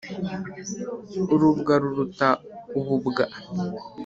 urubwa ruruta ububwa”.